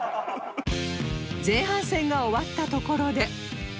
前半戦が終わったところで